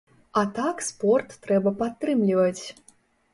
А так спорт трэба падтрымліваць.